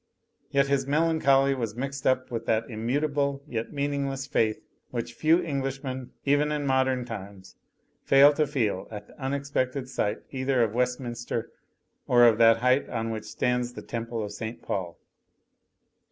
Yet his melancholy was mixed up with that immutable yet meaningless faith which few Englishmen, even in modem times, fail to feel at the unexpected sight either of Westminster or of that height on which stands the temple of St. Paul.